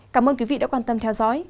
cảm ơn quý vị đã quan tâm theo dõi